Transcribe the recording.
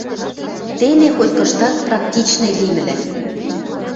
Тене хоть-кыштат практичный лимӹлӓ.